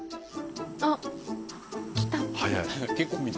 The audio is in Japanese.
あっ来た。